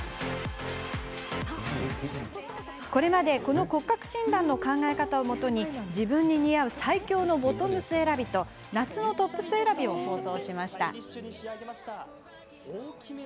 これまでこの骨格診断の考え方をもとに自分に似合う最強のボトムス選びと夏のトップス選びを放送しました。